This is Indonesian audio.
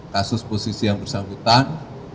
kasus posisi yang bersangkutan